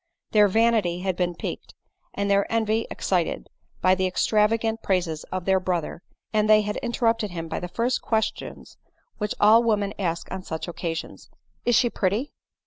Their vanity had been piqued, and their envy excited, by the extravagant praises of their brother ; and jhey had interrupted him by the first questions which all women ask on such occasions —" Is die pretty?"